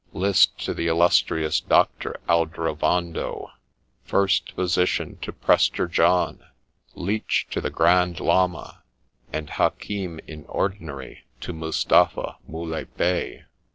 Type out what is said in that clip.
List to the illustrious Doctor Aldrovando, first physician to Prester John, Leech to the Grand Llama, and Hakim in Ordinary to Mustapha Muley Bey